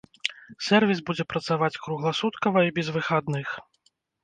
Сэрвіс будзе працаваць кругласуткава і без выхадных.